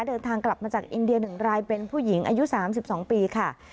เดินทางกลับมาจากอินเดียหนึ่งรายเป็นผู้หญิงอายุสามสิบสองปีค่ะ